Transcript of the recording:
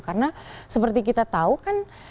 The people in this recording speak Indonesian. karena seperti kita tahu kan